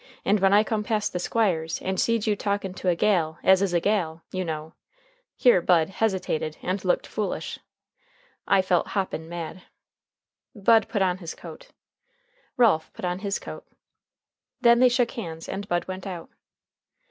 And when I come past the Squire's and seed you talking to a gal as is a gal, you know" here Bud hesitated and looked foolish "I felt hoppin' mad." Bud put on his coat. Ralph put on his coat. Then they shook hands and Bud went out.